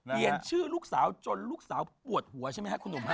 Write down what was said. เปลี่ยนชื่อลูกสาวจนลูกสาวปวดหัวใช่ไหมครับคุณหนุ่มฮ